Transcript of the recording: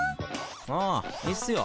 あいいっすよ。